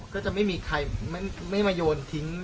ก็จะไม่มีใครไม่มาโยนทิ้ง